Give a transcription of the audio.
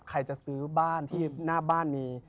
ใครจะซื้อบ้านที่หน้าบ้านมี